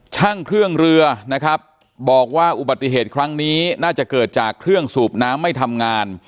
ช่างเครื่องเรือนะครับบอกว่าอุบัติเหตุครั้งนี้น่าจะเกิดจากเครื่องสูบน้ำไม่ทำงาน